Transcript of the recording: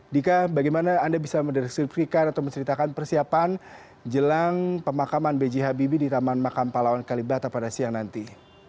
dika bagaimana anda bisa menceritakan persiapan jelang pemakaman bghb di taman makam palawan kalibata pada siang nanti